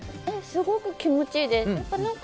すごく気持ちいいです。